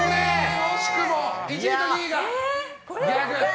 惜しくも１位と２位が逆。